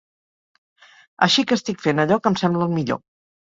Així que estic fent allò que em sembla el millor.